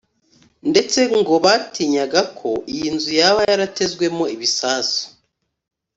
ndetse ngo batinyaga ko iyi nzu yaba yaratezwemo ibisasu